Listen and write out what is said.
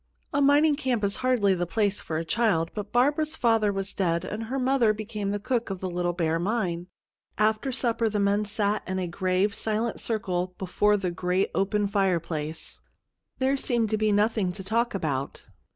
A mining camp is hardly the place for a child, but Barbara's father was dead, and her mother became the cook at the Little Bear Mine. After supper the men sat in a grave, silent circle before the great open fireplace. There seemed to be nothing to talk about.